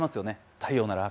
太陽なら赤。